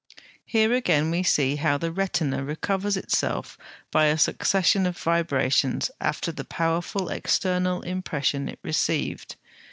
Here again we see how the retina recovers itself by a succession of vibrations after the powerful external impression it received.